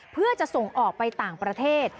เพื่อจะส่งออกไปต่างประเทศ